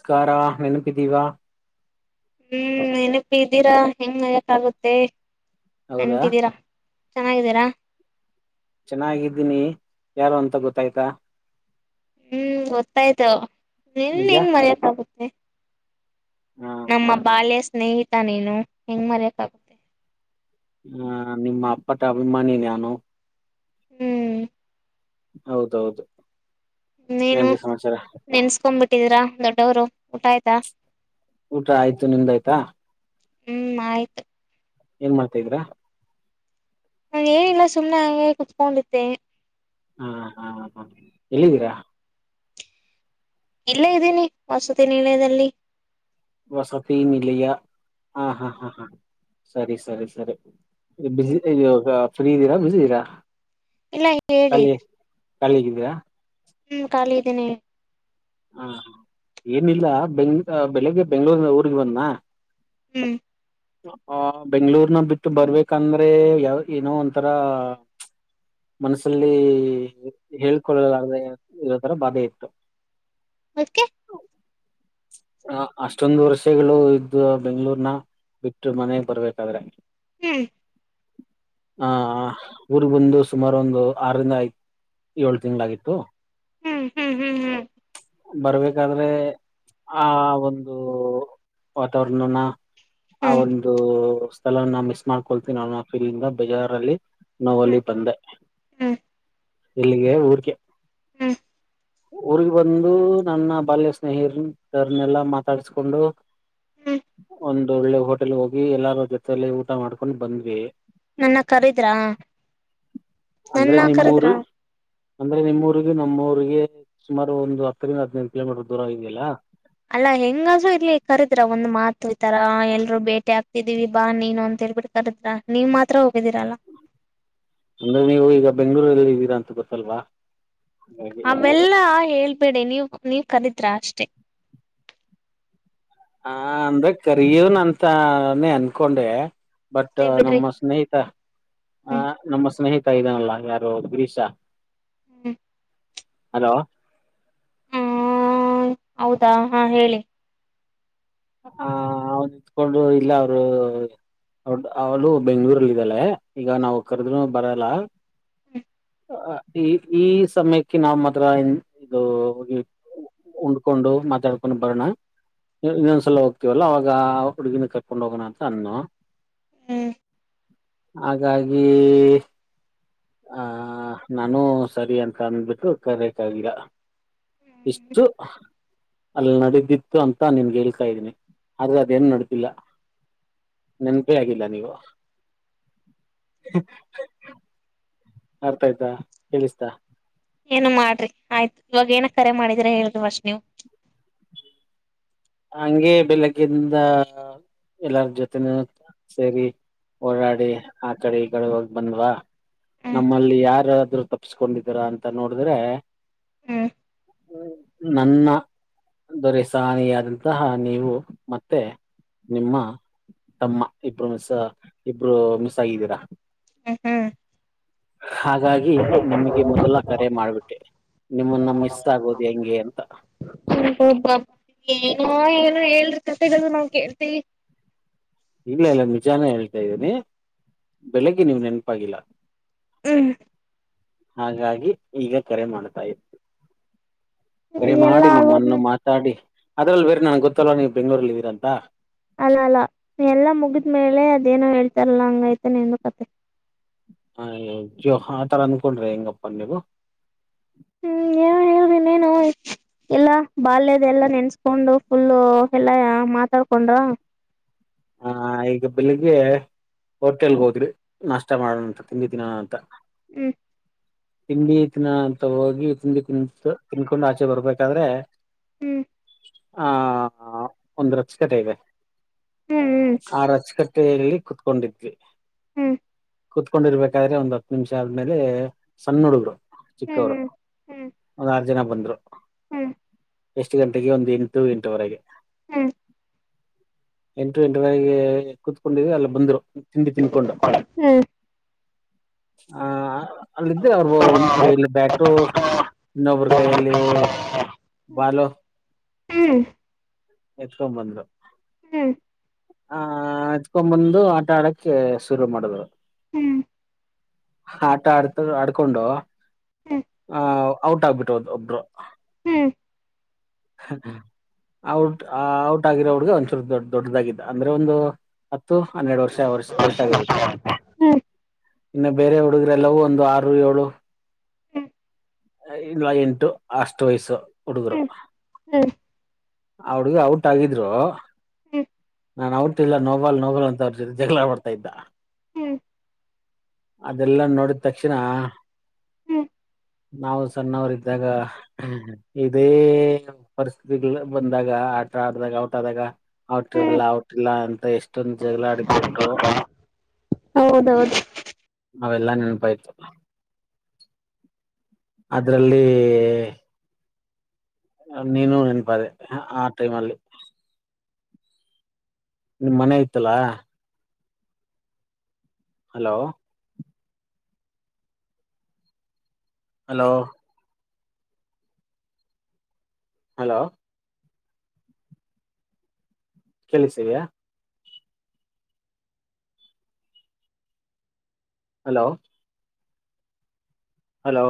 ನಮಸ್ಕಾರ ನೆನಪಿದೀವಾ ಹ್ಮ್ ನೆನಪಿ ಇದಿದ್ದೀರಾ ಹೆಂಗ್ ಆಕ್ ಆಗುತ್ತೆ ಹೌದಾ ನೆನಪಿದ್ದೀರಾ ಚೆನ್ನಾಗಿದ್ದೀರಾ ಚೆನ್ನಾಗಿದ್ದೀನಿ ಯಾರು ಅಂತ ಗೊತ್ತಾಯ್ತಾ ಹ್ಮ್ ಗೊತ್ತಾಯ್ತು ನಿನ್ ನಿಜ ಹಿಂಗ್ ಮರೆಯೋಕೆ ಆಗುತ್ತೆ ಹ್ಮ ನಮ್ಮ ಬಾಲ್ಯ ಸ್ನೇಹಿತ ನೀನು ಹೆಂಗ್ ಮರ್ಯಕ್ಾಗ ಹ ನಿಮ್ಮ ಅಪ್ಪಟ್ಟ ಅಭಿಮಾನಿ ನಾನು ಹ್ಮ್ ಹೌದೌದು ನೀನು ಏನ್ರಿ ಸಮಾಚಾರ ನೆನ್ಸ್ಕೊ್ ಬಿಟ್ಟಿದೀರಾ ದೊಡ್ಡವರು ಊಟ ಆಯ್ತಾ ಊಟ ಆಯ್ತು ನಿಮ್ದಾಯ್ತಾ ಹ್ಮಞ ಆಯ್ತು ಏನ್ ಮಾಡ್ತಾ ಇಧಿರ ನ ಏನಿಲ್ಲ ಸುಮ್ಮನೆ ಹಗೆ ಕುೂತ್ಕೊಂಡಿಿದ್ದೆ ಹಾ ಹಾ ಹ ಹ್ಮ್ ಎಲ್ಲಿದ್ದೀರಾ ಇಲ್ಲೇ ಇದ್ದೀನಿ ವಸತಿ ನಿಲಯದಲ್ಲಿ ವಸತಿ ನಿಿಲಿಯ ಹಾ ಹಾ ಹಾ ಹಾ ಸರಿ ಸರಿ ಸರಿ ಬ ಹ್ಮ್ ಇ ಫ್ರೀ ಇದ್ದೀರಾ ಬಿಸಿದೀರಾ ಇಲ್ಲ ಹೇಳಿ ಅಲ್ಲಿ ಕಾಲಿಗಿದೀೆಯಾ [unintelligible] ಹ್ಮ್ ಖಾಲಿ ಇದ್ದೀನಿ ಹಾ ಏನಿಲ್ಲ ಬೆಂಗ್ ಬೆಳಿಗ್ಗೆ ಬೆಂಗ್ಳೂರಿನ ಊರಿಗೆ ಬಂದ ಹ್ಮ್ ಬೆಂಗ್ಗಳೂರ್ನ ಬಿಟ್ಟು ಬರ್ಬೇಕಂದ್ರೆ ಯಾವ ಏನೋ ಒಂಂತರಾ ಮನಸ್ಸಲ್ಲಿ ಹೇಳ್ಕೊಳ್ಳದ ಇರೋ ತರ ಬಾಧೆ ಇತ್ತು [inaudible] ದಕೆ [unintelligible] ಅಷ್ಟೊಂದು ವರ್ಷಗಳು ಇದ್ದ ಬೆಂಗ್ಳೂರ್ನ ಬಿಟ್ಟು ಮನೆಗ್ ಬರ್ಬೇಕಾದ್ರೆ ಹ್ಮ್ ಹ ಊರ್ಗ್ ಬಂದು ಸುಮಾರು ಒಂದು ಆರರಿಂದ ಆಯ್ತು ಏಳ್ ತಿಂಗಳಾಗಿತ್ತು ಹ್ಮ್ ಹ್ಮ್ ಹ್ಮ್ ಹ್ಮ್ ಬರ್ಬೇಕಾದ್ರೆ ಆ ಒಂದು ವಾತಾವರಣನ ಆ ಹ್ಮ್ ಹ್ಮ್ ಒಂದು ಸ್ಥಳ ನ ಮಿಸ್ ಮಾಡ್ಕೊಳ್ತೀನಿ ನ ಫೀಲ್ಂದ ಬೇಜಾರ್ಲ್ಲಿ ನೋವಲಿ ಬಂಧೇ ಹ್ಮ್ ಇಲ್ಲಿಗೆ ಊರ್ಕೆ ಹ್ಮ್ ಊರ್ಗ್ ಬಂದು ನನ್ನ ಬಾಲ್ಯ ಸ್ನೇಹಿರರನೆಲ್ಲಾ ಮಾತಾಡಸ್ಕೊಂಡು ಹ್ಮ್ ಒಂದು ಒಳ್ಳೆ ಹೋಟೆಲ್ ಹೋಗಿ ಎಲ್ಲಾರ ಜೊತೆಯಲ್ಲಿ ಊಟ ಮಾಡ್ಕೊಂಡು ಬಂದ್ವಿ ನನ್ನ ಕರಿದ್ರಾ ಅಂದ್ರೆ ನನ್ನ ಕರದ್ರ ನಿಮ್ಮೂರು ಅಂದ್ರೆ ನಿಮ್ಮೂರಿಗ ನಮ್ಮೂರಿಗೆ ಸುಮಾರು ಒಂದು ಹತ್ತರಿಂದ ಹದ್ಿನೈದು ಕಿಲೋಮೀಟರ್ ದೂರ ಇದೆಯಲ್ಲಾ ಅಲ್ಲಾ ಎಂಗಾಧ್ರು ಇರ್ಲಿ ಕರದ್ರ ಒಂದ್ ಮಾತು ಈತರ ಎಲ್ರು ಬೇಟಿ ಆಗ್ತಿದೀವಿ ಬಾ ನೀನು ಅಂತ ಹೇಳ್ಬಿಟ್ಟ್ರಿ ಕರದ್ರ ನೀವ್ ಮಾತ್ರ ಹೋಗಿದ್ದೀರಲ್ಲ ಅಂದ್ರೆ ನೀವು ಈಗ ಬೆಂಗ್ಗಳೂರಲ್ಲಿ ಇದ್ದೀರಾ ಅಂತ ಗೊತ್ತಲ್ವಾ ಹಾಗೆ ಆಮೆಲ್ಲಾ ಹೇಳ್ಬೇಡಿ ನೀವವು ನೀವ್ ಕರಿದ್ರಾ ಅಷ್ಟೆ ಹ ಅಂದ್ರೆ ಕರಿಯವನ್ ಅಂತಾನೇ ಅನ್ಕೊಂಡೆ ಬಟ್ ಸೇ ಬಿಡ್ರಿ ನಮ್ಮ ಸ್ನೇಹಿತ ಆ ಹ್ಮ್ ನಮ್ಮ ಸ್ನೇಹಿತ ಇದನಲ್ಲ ಯಾರು ಗಿರೀಶ ಹ್ಮ್ ಹಲೋ ಹ್ಮ ಹೌದಾ ಹಾ ಹೇಳಿ ಹ ಅವ ನಿತ್ಕೊಂಡು ಇಲ್ಲ ಅವರು ಅವ ಅವಳು ಬೆಂಗ್ಳೂರಲ್ಲಿ ಇದ್ದಳೆ ಈಗ ನಾವವು ಕರೆದ್ ಬರಲ್ಲ ಹ ಈ ಈ ಸಮಯಕ್ಕೆ ನಾವ್ ಮಾತ್ರ ಇದು ಉಂಡ್ಕೊಂಡು ಮಾತಾಡ್ಕೊಂಡು ಬರೋಣೊ ಸಲ್ಲ ಹೋಗ್ತತಿವಲ್ಲ ಅವಾಗ ಆ ಹುಡುಗಿನ ಕರ್ಕೊಂಡ್ ಹೋಗೋಣ ಅಂತ ಅನ್ನು ಹ್ಮ್ ಹಾಗಾಗಿ ಆ ನಾನು ಸರಿ ಅಂತ ಅಂದ್ಬಿಟ್ಟು ಕರೆಕ್ ಆಗಿಲ್ಲ ಇಷ್ಟು ಅಲ್ಲಿ ನಡೆದತ್ತು ಇ ಅಂತ ನಿನ್ಗೆ ಹೇಳ್ತಾ ಇದ್ದೀನಿ ಆದ್ರೆ ಅದೇನು ನಡತಿಿಲ್ಲ ನೆನಪೇ ಆಗಿಲ್ಲ ನೀವು ಅರ್ಥ ಆಯ್ತಾ ಕೇಳಿಸ್ತಾ ಏನು ಮಾಡ್ರಿ ಆಯ್ತು ಇವಾಗ ಏನ ಕರೆ ಮಾಡಿದಿ್ರ ಹೇಳುದು ಅಷ್ಟ ನೀವು ಹಂಗೆ ಬೆಳಗ್ಗಿಂದ ಎಲ್ಲಾರ ಜೊತೆನೂ ಸೇರಿ ಓಡಾಡಿ ಆ ಕಡೆ ಈ ಕಡೆ ಹೋಗ ಬಂದ್ವಾ ಹ್ಮ್ ನಮ್ಮಲ್ಲಿ ಯಾರಾದ್ರರು ತಪ್ಸ್ಕೊಂಡಿದರ ಅಂತ ನೋಡಿದ್ರೆ ಹೂ ನನ್ನ ದೊರೆ ಸಾನಿಯಾರು ಸಹ ನೀವು ಮತ್ತೆ ನಿಮ್ಮ ತಮ್ಮ ಇಬ್ರು ಮಿಸ್ ಇಬ್ರು ಮಿಸ್ ಆಗಿದ್ದೀರಾ ಹ್ಮ ಹ್ಮ ಹಾಗಾಗಿ ನಿಮಗೆ ಮೊದಲ ಕರೆ ಮಾಡ್ಬಿಟ್ಟೆ ನಿಮ್ಮನ್ನ ಮಿಸ್ ಆಗೋದು ಹೆಂಗೆ ಅಂತ ಹಬಬ್ಬಏ ಏನೋ ಹೇಳ್ರತೆ ಕಥೆಗಳು ನಮಗೆ ಕೇಳ್ ಇಲ್ಲ ಇಲ್ಲ ನಿಜಾನೇ ಹೇಳ್ತಾ ಇದ್ದೀನಿ ಬೆಳಿಗ್ಗೆ ನೀವ್ ನೆನಪಾಗಿಲ್ಲ ಹ್ಮ್ ಹಾಗಾಗಿ ಈಗ ಕರೆ ಮಾಡ್ತಾ ಇತ್ತು ಕರಿ ಮಾಡಿ ಎಲ್ಲಾ ಆಗೋದ್ನ ನಿಮ್ಮನ್ನು ಮಾತಾಡಿ ಅದ್ರಲ್ಲಿ ಬೇರೆ ನನ್ಗೆ ಗೊತ್ತಲ್ವವಾ ನೀ್ ಬೆಂಗ್ಳೂರಲ್ಲಿ ಇದೀರಂತ ಅಲ್ಲ ಅಲ್ಲ ಎಲ್ಲಾ ಮುಗಿದ ಮೇಲೆ ಅದೇನೋ ಹೇಳ್ತಾರಲ್ಲ ಹಂಗೈತೆ ನಿನ್ನ ಕತೆ ಹ ಜೋ ಆ ತರ ಅಂದನ್ಕೊಂಡ್ರಿ ಹೆಂಗಪ್ಪ ನೀವು ಹ್ಮ್ ಏನೋ [inaudible] ಹೇಳ್ರಿ ಇನ್ನೇನು ಎಲ್ಲ ಬಾಲ್ಯದ ಎಲ್ಲಾ ನೆನ್ಸ್ಕೊಂಡು ಫುಲ್ಲ ಎಲ್ಲಾ ಮಾತಾಡ್ಕೊಂಡ್ರ ಹ ಈಗ ಬೆಳಿಗ್ಗೆ ಹೋಟೆಲ್ಗೆ ಹೋದ್ರಿ ನಷ್ಟ ಮಾಡೋಣ ಅಂತ ತಿಂಡಿ ತಿನ್ನೋಣ ಅಂತ ಹ್ಮ್ ತಿಂಡಿ ತಿಿನಂತ ಹೋಗಿ ತಿಂಡಿ ಕುಂತು ತಿನ್ಕೊಂಡು ಆಚೆ ಬರ್ಬೇಕಾದ್ರೆ ಹ್ಞ ಆ ಒಂದು ರಚ್ ಕಟ ಇದೆ. ಹ್ಮ್ ಹ್ಮ್ ಆ ರಚಕಟ್ಟೆಯಲ್ಲಿ ಕುೂತ್ಕೊಂಡಿದ್ವಿ. ಹ್ಮ್ ಕೂತ್ಕೊಂಡಿರ್ಬೇಕಾದ್ರೆ ಒಂದು ಹತ್ತು ನಿಮಿಷ ಆದ್ಮೇಲೆ ಸಣ್ಣ ಹುಡುಗ್ರು ಹ್ಮ್ ಚಿಕ್ಕವರು. ಹ್ಮ್ ಒಂದ್ ಆರು ಜನ ಬಂದ್ರು. ಹ್ಮ್ ಎಷ್ಟು ಗಂಟೆಗೆ ಒಂದು ಎಂಟ್ ಗಂಟವರೆಗೆ. ಹ್ಮ್ ಎಂಟು ಎಂಟವರೆಗೆ ಕೂತ್ಕೊಂಡೀವಿ ಅಲ್ಲ ಬಂದ್ರು ತಿಂಡಿ ತಿದ್ಕೊಂಡ. ಹ್ಮ್ ಹಾ ಅಲ್ಲಿದ್ದೆ ಅವರು ಒಂದು ಕೈಲ್ಲಿ ಬ್ಯಾಟು. ಇನ್ನೊಬ್ಬ್ರ ಕೈಯಲ್ಲಿ ಬಾಲು. ಹ್ಮ್ ಹ್ಮ್ ಎತ್ಕೊ ಬಂದ್ರು. ಹ್ಮ್ ಆಹ ಹತ್ಕೊ ಬಂದು ಆಟ ಆಡಕ್ಕೆ ಶುರು ಮಾಡಿದ್ರು. ಹ್ಮ್ ಆಟ ಆಡ್ತ ಆಡ್ಕೊಂಡು ಆ ಔಟ್ ಆಗ್ಬಿಟ್ಟದು ಒಬ್ರು. ಹ್ಮ್ ಔಟ್ ಆ ಔಟ್ ಆಗಿರೋ ಹುಡ್ಗ ಒಂದಚೂರು ದೊಡ್ಡ ದೊಡ್ಡದಾಗಿದ್ದ ಅಂದ್ರೆ ಒಂದ್ ಹತ್ತು ಹನ್ನೆರಡು ವರ್ಷ ವಯಸ್ಸಿ ವಯಸ್ಸಾಗಿರುತ್ತೆ. ಇನ್ನು ಬೇರೆ ಹುಡುಗರು ಎಲ್ಲವೂ ಒಂದು ಆರು ಏಳು. ಇನ್ನು ಎಂಟು ಅಷ್ಟು ವಯಸ್ಸು ಹುಡುಗರು. ಹ್ಮ್ ಅವಡ್ಗ ಔಟ್ ಆಗಿದ್ರು. ನಾನ್ ಅವ್ರಟ್ಟ ಇಲ್ಲ ನೋಬಾಲ್ ನೋಬಾಲ್ ಅಂತ ಅವ್ರ ಜಗಳ ಬಡ್ತಾ್ದ್. ಹ್ಮ್ ಹ್ಮ್ ಹ್ಮ್ ಅದೆಲ್ಲಾ ನೋಡಿದ ತಕ್ಷಣ್. ಹ್ಮ್ ನಾವು ಸಣ್ಣವರು ಇದ್ದಾಗ. ಇದೇ ಪರಿಸ್ಥಿತಿ ಬಂದಾಗ ಆಟ ಆಡದಾಗ ಔಟ ಆದಾಗ ಔಟ ಇಲ್ಲಾ ಔಟ ಇಲ್ಲಾ ಅಂತ ಎಷ್ಟೊಂದ್ ಜಗಳ ಆಡಿದ್ನ್ರು ಹೌದೌದು ನಾವೆಲ್ಲಾ ನೆನಪ ಇರ್ತ ಅದ್ರಲ್ಲಿ ನೀನು ನೆನಪದೆೆ ಆ ಟೈಮ್ ಅಲ್ಲಿ ನಿಮ್ ಮನೆ ಇತಲ್ಲಾ ಹಲೋ ಹಲೋ ಹಲೋ ಕೆಲಿಸಿವ್ಯಾಾ ಹಲೋ ಹಲೋ